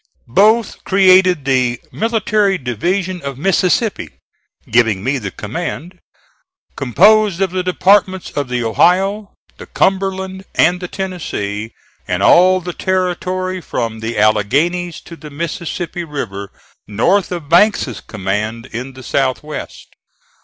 Both created the "Military Division of Mississippi," (giving me the command) composed of the Departments of the Ohio, the Cumberland, and the Tennessee, and all the territory from the Alleghanies to the Mississippi River north of Banks's command in the south west.